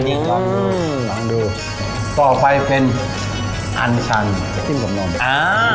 ลองดูลองดูต่อไปเป็นอันชันจิ้มกับนมอ่า